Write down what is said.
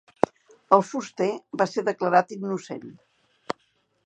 El fuster va ser declarat innocent.